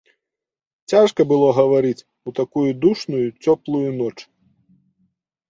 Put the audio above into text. Цяжка было гаварыць у такую душную, цёплую ноч.